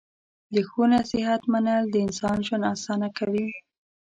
د ښو نصیحت منل د انسان ژوند اسانه کوي.